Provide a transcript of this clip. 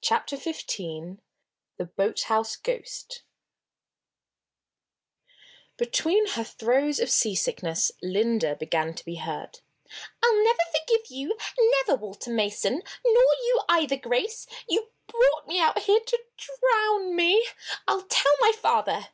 CHAPTER XV THE BOATHOUSE GHOST Between her throes of sea sickness, Linda began to be heard. "I'll never forgive you, never, Walter Mason! Nor you, either, Grace! You brought me out here to drown me! I'll tell my father!"